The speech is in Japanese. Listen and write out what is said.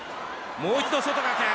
もう一度外掛け！